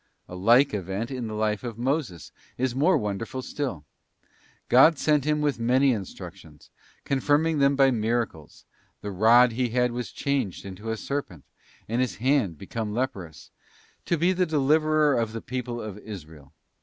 A like event in the life of Moses is more wonderful still. God sent him with many instructions, confirming them by miracles—the rod he had was changed into a serpent, and his hand became leprous—to be the deliverer of the people of Israel.